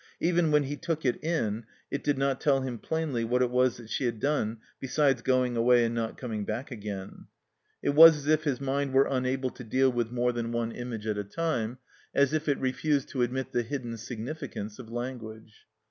Even when he took it in it did not tell him plainly what it was that she had done besides going away and not coming back again. It was as if his mind were tuiable to deal with more than one image at a THE COMBINED MAZE time, as if it refused to admit the hidden significanoe of language.